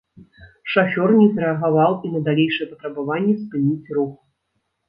Шафёр не зрэагаваў і на далейшыя патрабаванні спыніць рух.